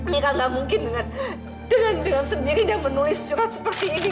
mira gak mungkin dengan dengan dengan sendiri yang menulis surat seperti ini